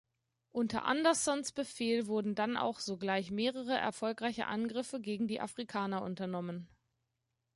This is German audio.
Unter Anderssons Befehl wurden dann auch sogleich mehrere erfolgreiche Angriffe gegen die Afrikaner unternommen.